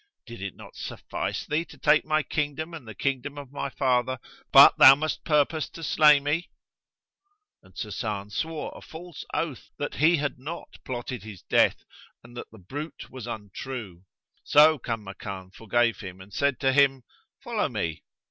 Did it not suffice thee to take my kingdom and the kingdom of my father, but thou must purpose to slay me?"[FN#105] And Sasan swore a false oath that he had not plotted his death and that the bruit was untrue. So Kanmakan forgave him and said to him, "Follow me."